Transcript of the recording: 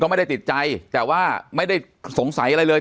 ไม่ได้ติดใจแต่ว่าไม่ได้สงสัยอะไรเลย